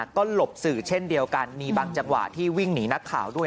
ก็หลบสื่อเช่นเดียวกันมีบางจังหวะที่วิ่งหนีนักข่าวด้วย